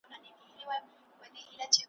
دا شعر چه سړی هر څومره اوږدواوږدوي ,